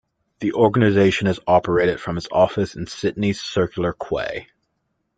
The organisation is operated from its office in Sydney's Circular Quay.